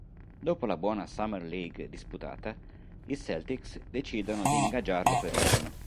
Dopo la buona Summer League disputata, i Celtics decidono di ingaggiarlo per un anno.